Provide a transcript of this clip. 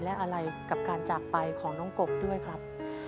และอะไรกับการจากไปของน้องกบด้วยครับ